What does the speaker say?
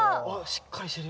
しっかりしてるよ。